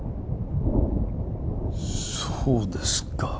そうですか。